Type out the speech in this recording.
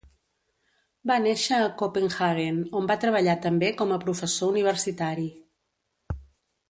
Va néixer a Copenhaguen, on va treballar també com a professor universitari.